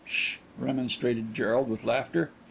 "Sh!" remonstrated Gerald, with laughter.